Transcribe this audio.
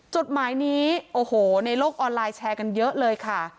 จดหมายนี้โอ้โหในโลกออนไลน์แชร์กันเยอะเลยค่ะ